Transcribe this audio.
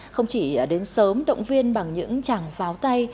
không chỉ đến sớm động viên bằng những chàng pháo tay